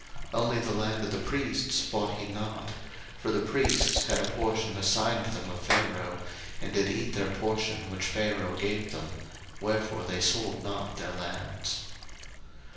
01:047:022 Only the land of the priests bought he not; for the priests had a portion assigned them of Pharaoh, and did eat their portion which Pharaoh gave them: wherefore they sold not their lands.